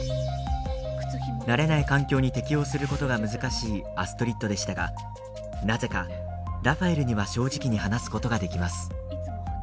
慣れない環境に適応することが難しいアストリッドでしたがなぜかラファエルには正直に話すことができます。